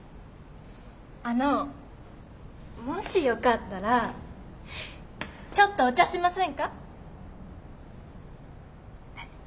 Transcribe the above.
あのもしよかったらちょっとお茶しませんか？